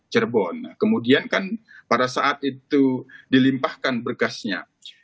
cirebon kemudian kan pada saat itu dilimpahkan berkasnya